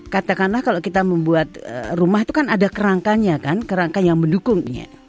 katakanlah kalau kita membuat rumah itu kan ada kerangkanya kan kerangka yang mendukungnya